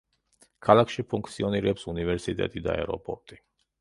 ქალაქში ფუნქციონირებს უნივერსიტეტი და აეროპორტი.